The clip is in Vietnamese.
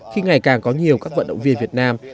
khi ngày càng có nhiều các vận động viên việt nam